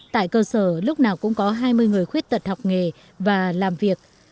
tại cơ sở lúc nào cũng có hai mươi người khuyết tật học nghề và làm việc